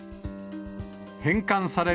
返還される